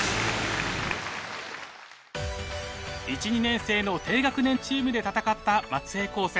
１２年生の低学年チームで戦った松江高専。